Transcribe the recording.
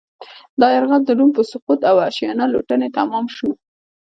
دا یرغل د روم په سقوط او وحشیانه لوټنې تمام شو